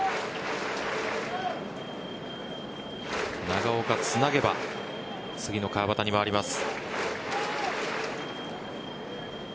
長岡つなげば次の川端に回ります。